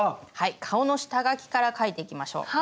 顔の下描きから描いていきましょう。